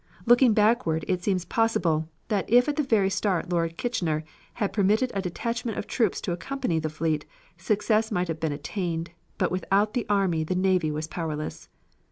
Looking backward it seems possible, that if at the very start Lord Kitchener had permitted a detachment of troops to accompany the fleet, success might have been attained, but without the army the navy was powerless.